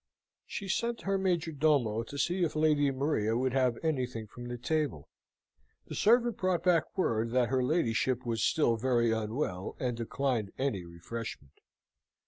She sent her major domo to see if Lady Maria would have anything from the table. The servant brought back word that her ladyship was still very unwell, and declined any refreshment.